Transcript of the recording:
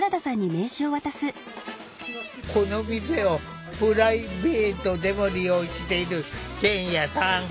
この店をプライベートでも利用している健也さん。